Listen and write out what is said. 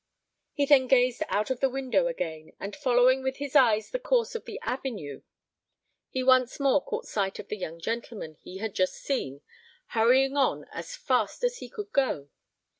He then gazed out of the window again, and following with his eyes the course of the avenue, he once more caught sight of the young gentleman, he had just seen, hurrying on as fast as he could go.